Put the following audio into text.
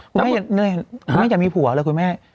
คุณแม่ไม่อยากมีผัวเลยคุณแม่